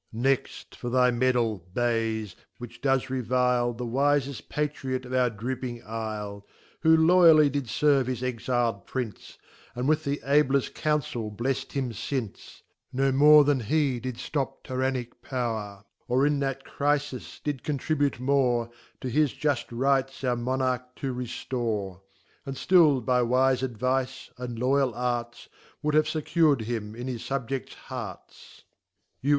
Next [*.3l Next, for thy Medal, Bayes, which Joes revile The wifeft Patriot of our drooping Me, Who Loyally did ferve his Exil'd Prince, And with the ableft Councel blcft him fmce; None more 1 than he did ftop TyrarmicT^Vowzv^ Or, in that Crifis, did contribute more, To his Juft Rights our Monarch to reftore *, And ftill by wife advice, and Loyal Arts, Would have fccur'd him in his Subjects Hearts, You.